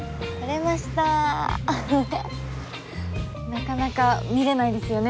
なかなか見れないですよね